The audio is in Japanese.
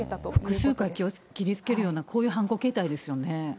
複数回切りつけるような、こういう犯行形態ですよね。